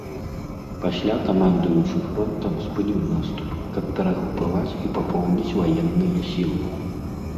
Пасля камандуючы фронтам спыніў наступ, каб перагрупаваць і папоўніць ваенныя сілы.